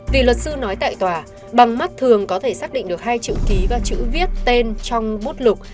vì luật sư nói tại tòa bằng mắt thường có thể xác định được hai chữ ký và chữ viết tên trong bút lục